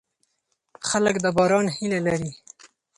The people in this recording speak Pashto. خلک د باران هیله لري.